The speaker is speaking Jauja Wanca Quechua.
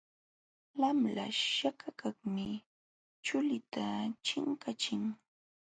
Lamlaśh saćhakaqmi chullita chinkachin.